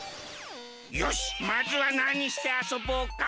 よしまずはなにしてあそぼうか。